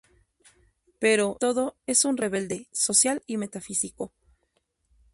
Pero, sobre todo, es un rebelde, social y metafísico.